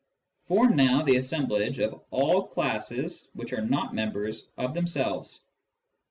Form now the assemblage of all classes which are not members Of themselves.